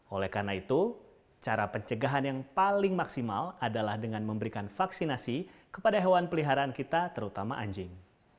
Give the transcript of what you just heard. oleh karena itu cara pencegahan yang paling maksimal adalah dengan memberikan vaksinasi kepada hewan peliharaan kita terutama anjing